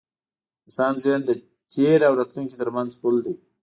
د انسان ذهن د تېر او راتلونکي تر منځ پُل دی.